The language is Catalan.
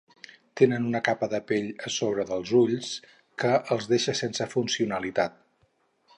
Tenen una capa de pell a sobre dels ulls que els deixa sense funcionalitat.